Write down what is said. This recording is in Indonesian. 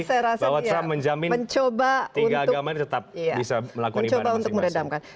bahwa trump menjamin tiga agama tetap bisa melakukan ibadah masjid al aqsa